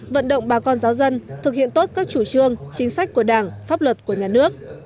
vận động bà con giáo dân thực hiện tốt các chủ trương chính sách của đảng pháp luật của nhà nước